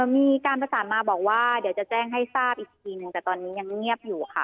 มีการประสานมาบอกว่าเดี๋ยวจะแจ้งให้ทราบอีกทีนึงแต่ตอนนี้ยังเงียบอยู่ค่ะ